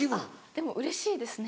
でもうれしいですね。